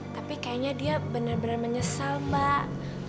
tapi kayaknya dia bener bener menyesal mbak